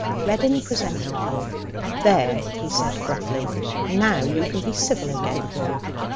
Reddin presented them. 'There,' he said gruffly; 'now you can be civil again.'